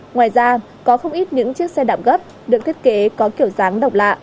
ngoài ra có không ít những chiếc xe đạp gấp được thiết kế có kiểu dáng độc lạ